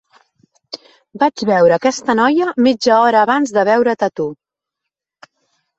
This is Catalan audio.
Vaig veure aquesta noia mitja hora abans de veure't a tu.